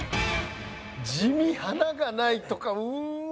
「地味・華が無い」とかうわ。